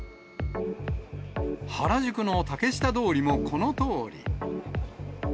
原宿の竹下通りもこのとおり。